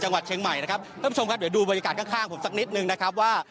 จังหวัดเชียงใหม่นะครับท่านผู้ชมครับเดี๋ยวดูบรรยากาศข้างข้างผมสักนิดนึงนะครับว่า